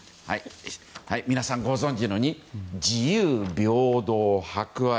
皆さんご存じの自由・平等・博愛。